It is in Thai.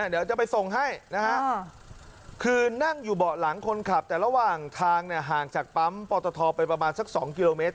เดี๋ยวจะไปส่งให้นะฮะคือนั่งอยู่เบาะหลังคนขับแต่ระหว่างทางห่างจากปั๊มปอตทไปประมาณสัก๒กิโลเมตร